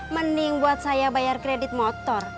mending buat saya bayar kredit motor